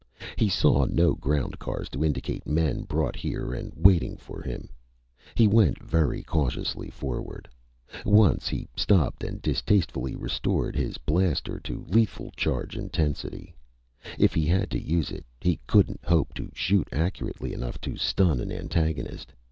He saw no ground cars to indicate men brought here and waiting for him. He went very cautiously forward. Once he stopped and distastefully restored his blaster to lethal charge intensity. If he had to use it, he couldn't hope to shoot accurately enough to stun an antagonist.